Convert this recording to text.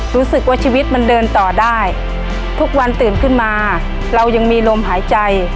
รู้สึกว่าชีวิตมันเดินต่อได้ทุกวันตื่นขึ้นมาเรายังมีลมหายใจ